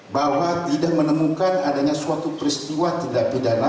bahwa tidak menemukan adanya suatu peristiwa tidak pidana